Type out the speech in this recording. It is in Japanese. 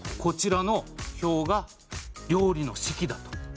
こちらの表が料理の式だと。